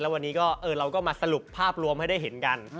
แล้ววันนี้เราก็เออเราก็มาสรุปภาพรวมให้ได้เห็นกัน